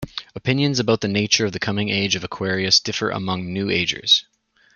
Opinions about the nature of the coming Age of Aquarius differ among New Agers.